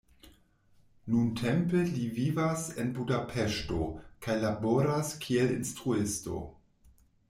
Nuntempe li vivas en Budapeŝto kaj laboras kiel instruisto.